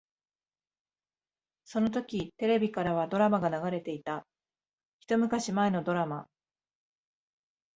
そのときテレビからはドラマが流れていた。一昔前のドラマ。